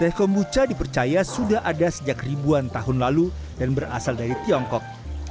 teh kombucha dipercaya sudah ada sejak ribuan tahun lalu dan berasal dari tiongkok